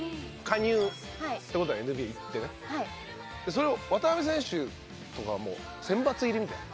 それを渡邊選手とかはもう選抜入りみたいな。